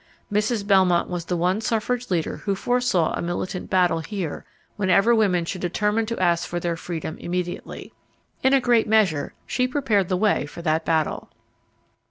Mrs. Belmont was the one suffrage leader who foresaw a militant battle here whenever women should determine to ask for their freedom immediately. In a great measure she prepared the way for that battle.